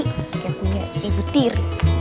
kayak punya ibu tir